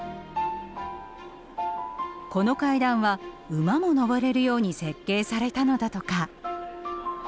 この階段は馬も上れるように設計されたのだとか。